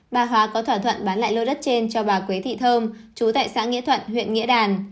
bà hóa có thỏa thuận bán lại lô đất trên cho bà quế thị thơm chú tại xã nghĩa thuận huyện nghĩa đàn